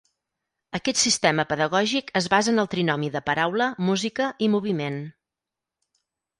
Aquest sistema pedagògic es basa en el trinomi de paraula, música i moviment.